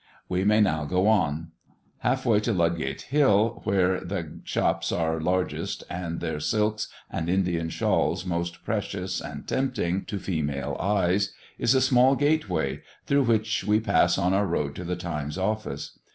We may now go on. Halfway up Ludgate hill, where the shops are largest and their silks and Indian shawls most precious and tempting to female eyes, is a small gateway, through which we pass on our road to the Times office.